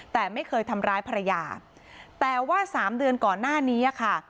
แต่ไม่เคยทำร้ายภรรยาแต่ว่าสามเดือนก่อนหน้านี้ค่ะ